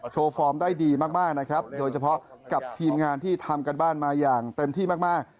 ฟอร์มได้ดีมากนะครับโดยเฉพาะกับทีมงานที่ทำการบ้านมาอย่างเต็มที่มาก